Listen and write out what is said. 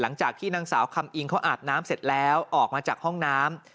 หลังจากที่นางสาวคำอิงเขาอาบน้ำเสร็จแล้วออกมาจากห้องน้ำ